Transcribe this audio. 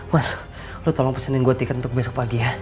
mas lu tolong pesanin gue tiket untuk besok pagi ya